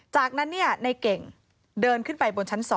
จากนั้นในเก่งเดินขึ้นไปบนชั้น๒